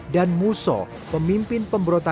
dan muso pemimpin pemberontak